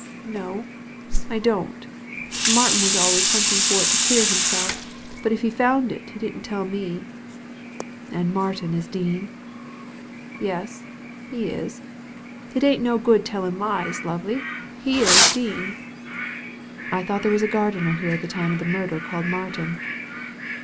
" "No, I don't Martin was always hunting for it to clear himself, but if he found it he didn't tell me." "And Martin is Dean?" Digitized by Google FOUND AT LAST 221 ''Yes, he is. It ain't no good tellin' lies, lovey! He is Dean!" " I thought there was a gardener here at the time of the murder called Martin